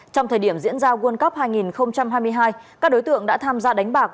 trong thời điểm diễn ra world cup hai nghìn hai mươi hai các đối tượng đã tham gia đánh bạc